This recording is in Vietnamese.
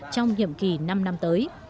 trong nhiệm kỳ năm năm tới